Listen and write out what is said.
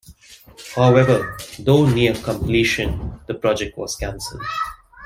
However, though near completion, the project was canceled.